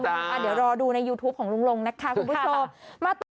เดี๋ยวรอดูในยูทูปของลุงลงนะคะคุณผู้ชมมาต่อ